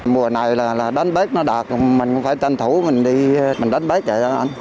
mùa này là đánh bết nó đạt mình cũng phải tranh thủ mình đi đánh bết rồi đó anh